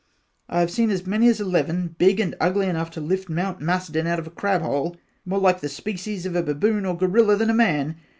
I have seen as many as eleven, big & ugly enough to lift Mount Macedon out of a crab hole more like the species of a baboon or Guerilla than a man.